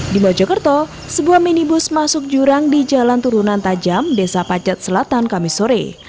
di mojokerto sebuah minibus masuk jurang di jalan turunan tajam desa pacet selatan kamisore